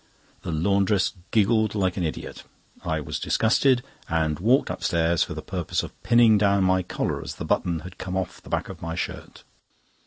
The laundress giggled like an idiot. I was disgusted and walked upstairs for the purpose of pinning down my collar, as the button had come off the back of my shirt.